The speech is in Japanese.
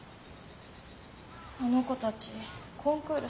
あの子たちコンクール